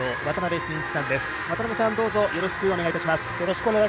渡辺さん、よろしくお願いします。